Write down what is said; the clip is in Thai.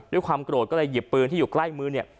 ด้วยความโกรธก็เลยหยิบปืนที่อยู่ใกล้มือเนี่ย